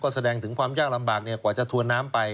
แสดงถึงความยากลำบากกว่าจะถวนน้ำไป